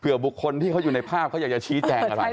บุคคลที่เขาอยู่ในภาพเขาอยากจะชี้แจงอะไร